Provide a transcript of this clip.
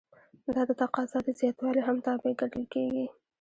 دا د تقاضا د زیاتوالي هم تابع ګڼل کیږي.